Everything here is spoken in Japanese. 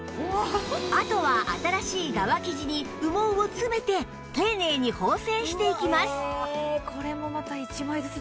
あとは新しい側生地に羽毛を詰めて丁寧に縫製していきます